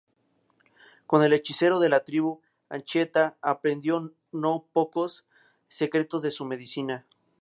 Con el hechicero de la tribu, Anchieta aprendió no pocos secretos de su medicina.